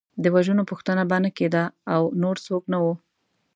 د وژنو پوښتنه به نه کېده او نور څوک نه وو.